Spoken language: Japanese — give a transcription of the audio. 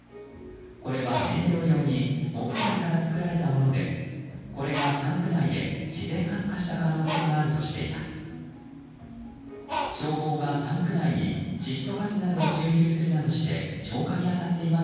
これは燃料用に木材から作られたものでこれがタンク内で自然発火した可能性があるとしています。